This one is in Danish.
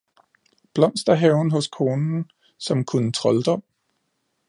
Blomsterhaven hos konen, som kunne trolddom